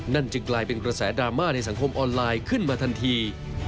นั่นจึงกลายเป็นกระแสดราม่าในสังคมออนไลน์ขึ้นมาทันที